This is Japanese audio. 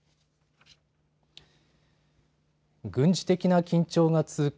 軍事的な緊張が続く